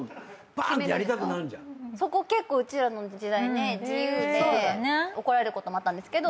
そこ結構うちらの時代自由で怒られることもあったんですけど。